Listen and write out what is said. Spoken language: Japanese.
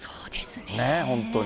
本当に。